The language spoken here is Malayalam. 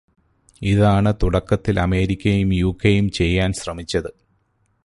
ഇതാണ് തുടക്കത്തിൽ അമേരിക്കയും യുകെയും ചെയ്യാൻ ശ്രമിച്ചത്.